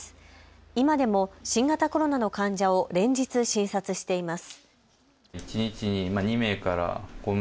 今でも新型コロナの患者を連日、診察しています。